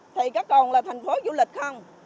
thì có còn là thành phố du lịch không